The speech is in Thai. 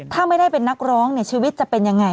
ถ้าไม่ได้เป็นนักร้องชีวิตจะเป็นอย่างไร